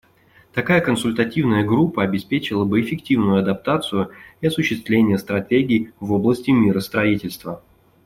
Такая консультативная группа обеспечила бы эффективную адаптацию и осуществление стратегий в области миростроительства.